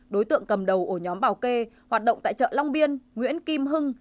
đối tượng cầm đầu ổ nhóm bảo kê hoạt động tại chợ long biên nguyễn kim hưng